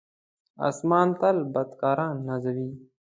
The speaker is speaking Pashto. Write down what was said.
آسمان تل بدکاران نازوي.